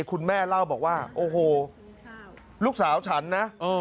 คุณแม่เล่าบอกว่าโอ้โหลูกสาวฉันนะ